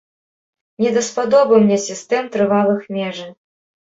Не даспадобы мне сістэм трывалых межы.